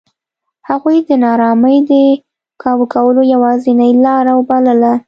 هغوی د نارامۍ د کابو کولو یوازینۍ لار بلله.